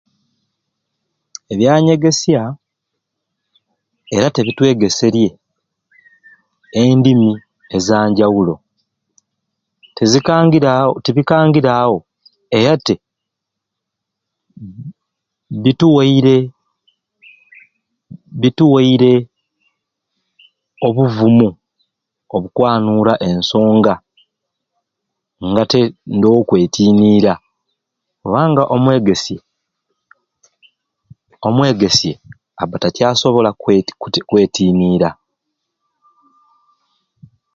Ebyanyegesya era te bitwegeserye endimi ezanjawulo tezikangire tebikangire awo erate bituweire bituweire obuvumu okwanura ensonga nga te ondowo kwetinira kubanga omwegesye omwegesye aba takyasobola kwe kwetinira